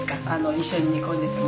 一緒に煮込んでても。